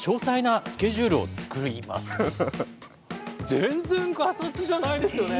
全然ガサツじゃないですよね。